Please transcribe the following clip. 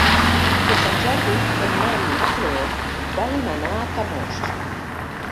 Per Sant Jordi en Nel i na Chloé volen anar a Camós.